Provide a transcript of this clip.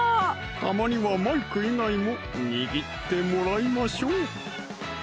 たまにはマイク以外も握ってもらいましょう！